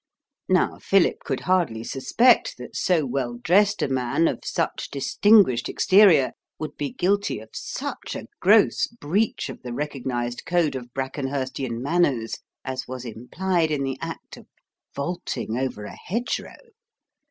Now Philip could hardly suspect that so well dressed a man of such distinguished exterior would be guilty of such a gross breach of the recognised code of Brackenhurstian manners as was implied in the act of vaulting over a hedgerow.